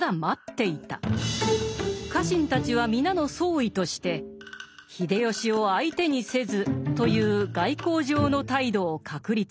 家臣たちは皆の総意として「秀吉を相手にせず」という外交上の態度を確立した。